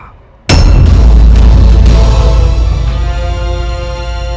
tidak akan ibunda